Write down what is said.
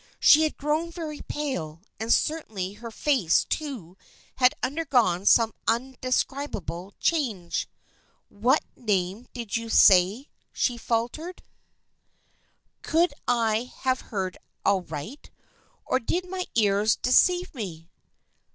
She had grown very pale, and certainly her face too had undergone some indescribable change. "What name did you say?" she faltered. 178 THE FRIENDSHIP OF ANNE " Could I have heard aright? Or did my ears de ceive me